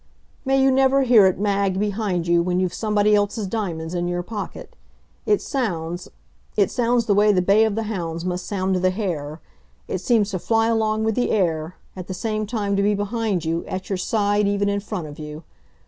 May you never hear it, Mag, behind you when you've somebody else's diamonds in your pocket. It sounds it sounds the way the bay of the hounds must sound to the hare. It seems to fly along with the air; at the same time to be behind you, at your side, even in front of you.